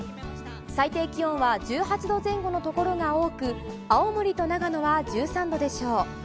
最低気温は１８度前後のところが多く青森と長野は１３度でしょう。